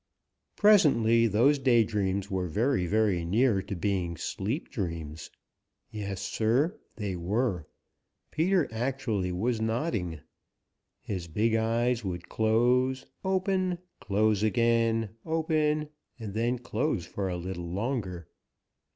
Presently those day dreams were very, very near to being sleep dreams. Yes, Sir, they were. Peter actually was nodding. His big eyes would close, open, close again, open and then close for a little longer.